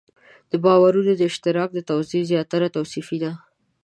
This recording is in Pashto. د باورونو د اشتراک توضیح زیاتره توصیفي ده.